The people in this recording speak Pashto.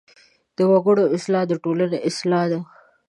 د وګړي اصلاح د ټولنې اصلاح ده.